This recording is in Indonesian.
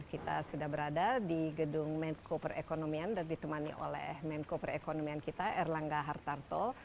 kita sudah berada di gedung menko perekonomian dan ditemani oleh menko perekonomian kita erlangga hartarto